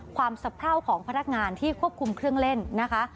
สะพร่าวของพนักงานที่ควบคุมเครื่องเล่นนะคะ